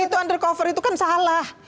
itu undercover itu kan salah